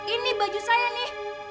ini baju saya nih